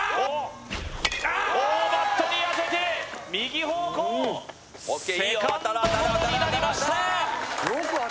おーバットに当てて右方向セカンドゴロになりました